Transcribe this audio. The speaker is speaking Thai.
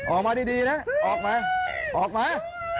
ออกมาดีนะออกมา